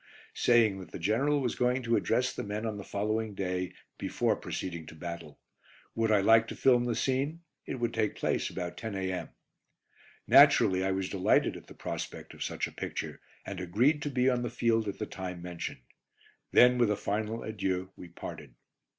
Q., saying that the General was going to address the men on the following day, before proceeding to battle. Would I like to film the scene? It would take place about 10 a.m. Naturally, I was delighted at the prospect of such a picture, and agreed to be on the field at the time mentioned. Then with a final adieu we parted.